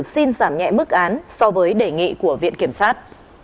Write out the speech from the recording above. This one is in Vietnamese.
xin giảm nhẹ mức án so với đề nghị của viện kiểm sát